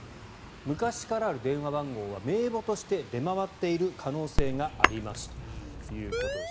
昔からある電話番号は名簿として出回っている可能性があるということです。